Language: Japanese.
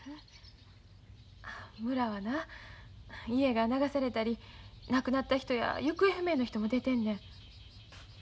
村はな家が流されたり亡くなった人や行方不明の人も出てんねん。